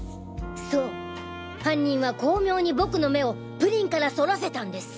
そう犯人は巧妙に僕の目をプリンからそらせたんです。